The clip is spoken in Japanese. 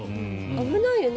危ないよね